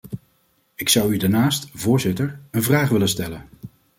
Ik zou u daarnaast, voorzitter, een vraag willen stellen.